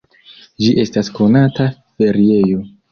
Ĝi estas konata feriejo.